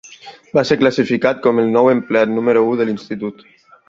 Va ser classificat com el nou empleat número u de l'institut.